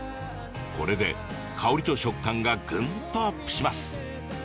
これで香りと食感がぐんとアップします。